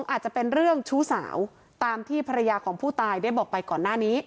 อาจจะเป็นเรื่องชู้สาวตามที่ภรรยาของผู้ตายได้บอกไปก่อนหน้านี้